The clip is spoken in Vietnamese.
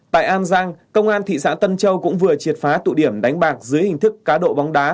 tại an giang công an thị xã tân châu cũng vừa triệt phá tụ điểm đánh bạc dưới hình thức cá độ bóng đá